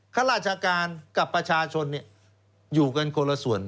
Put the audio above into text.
ข้าราชการกับประชาชนอยู่กันคนละส่วน